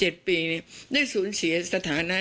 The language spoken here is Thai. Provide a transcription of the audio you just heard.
ตั้งแต่๔๗ปีได้สูญเสียสถานะนั้น